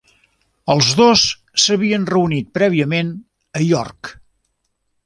Els dos s'havien reunit prèviament a York.